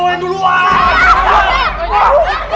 aduh aduh aduh